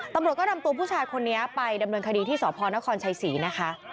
ตำรวจก็นำตัวผู้ชายคนนี้ไปดำเนินคดีที่สพนครชัยศรีนะคะ